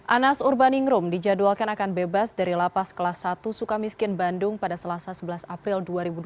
anas urbaningrum dijadwalkan akan bebas dari lapas kelas satu suka miskin bandung pada selasa sebelas april dua ribu dua puluh